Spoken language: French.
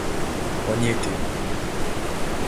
On y était.